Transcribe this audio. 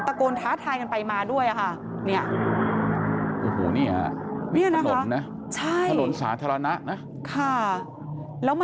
โกนท้าทายกันไปมาด้วยค่ะ